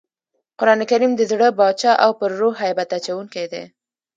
قرانکریم د زړه باچا او پر روح هیبت اچوونکی دئ.